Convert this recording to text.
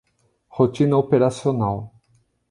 Rotina operacional